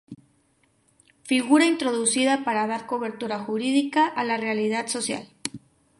Figura introducida para dar cobertura jurídica a la realidad social.